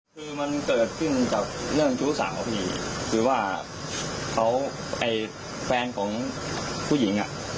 คือมันเกิดขึ้นจากเรื่องชู้สาวพี่คือว่าเขาไอ้แฟนของผู้หญิงอ่ะ